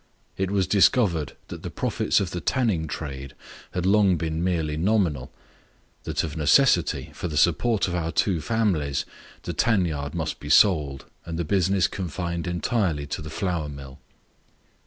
It was discovered that the profits of the tanning trade had long been merely nominal that of necessity, for the support of our two families, the tan yard must be sold, and the business confined entirely to the flour mill.